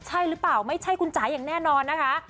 ใช่หรือเปล่าไม่ใช่คุณจ๋าอย่างแน่นอนนะคะ